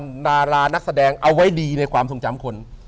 ดารานักแสดงเอาไว้ดีในความทรงจำคน